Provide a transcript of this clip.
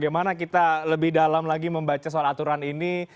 bagaimana kita lebih dalam lagi membaca soal aturan ini